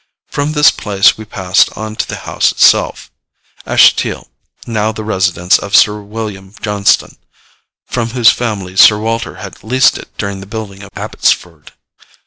From this place we passed on to the house itself Ashestiel now the residence of Sir William Johnstone, from whose family Sir Walter had leased it during the building of Abbotsford.